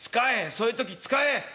そういう時使え！